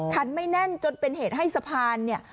คันไม่แน่นจนเป็นเหตุให้สะพานเนี่ย